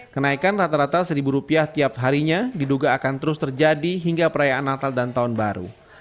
kenaikan rata rata rp satu tiap harinya diduga akan terus terjadi hingga perayaan natal dan tahun baru